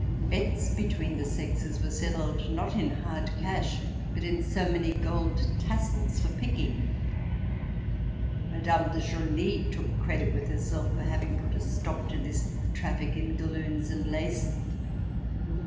Bets between the sexes were settled, not in hard cash, but in so many gold tassels for picking. Madame de Genlis took credit with herself for having put a stop to this traffic in galloons and lace.